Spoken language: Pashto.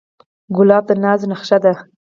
ګلاب د ناز نخښه ده.